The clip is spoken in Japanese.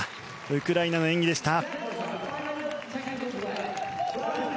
ウクライナの演技でした。